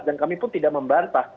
dan kami pun tidak membantah